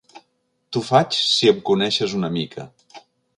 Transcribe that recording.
T'ho faig si em coneixes una mica.